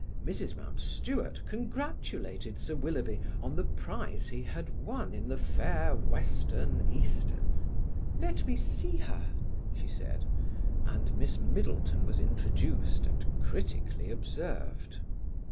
Mrs. Mountstuart congratulated Sir Willoughby on the prize he had won in the fair western eastern. "Let me see her," she said; and Miss Middleton was introduced and critically observed.